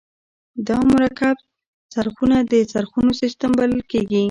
دا مرکب څرخونه د څرخونو سیستم بلل کیږي.